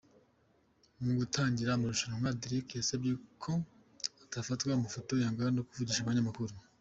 Mu gutangira amarushanwa, Derek yasabye ko atafatwa amafoto, yanga no kuvugisha abanyamakuru.